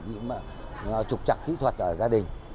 bị trục chặt kỹ thuật ở gia đình